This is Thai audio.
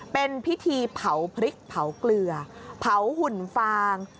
เป็นพิธีเผาพริกเผาเกลือเผาหุ่นฟาง